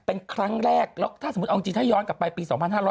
เป็นครั้งแรกแล้วถ้าสมมุติเอาจริงถ้าย้อนกลับไปปี๒๕๖๐